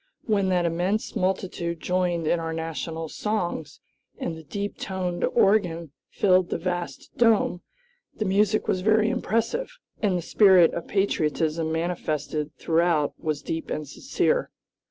When that immense multitude joined in our national songs, and the deep toned organ filled the vast dome the music was very impressive, and the spirit of patriotism manifested throughout was deep and sincere.